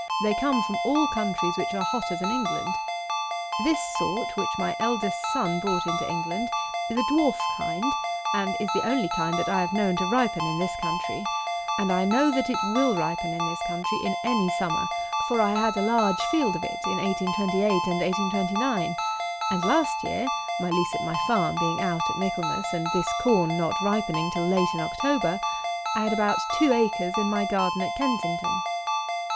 They all come from countries which are hotter than England. This sort, which my eldest son brought into England, is a dwarf kind, and is the only kind that I have known to ripen in this country: and I know that it will ripen in this country in any summer; for I had a large field of it in 1828 and 1829; and last year (my lease at my farm being out at Michaelmas, and this corn not ripening till late in October) I had about two acres in my garden at Kensington.